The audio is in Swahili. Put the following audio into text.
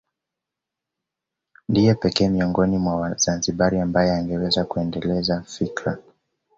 Ndiye pekee miongoni mwa Wazanzibari ambaye angeweza kuendeleza fikra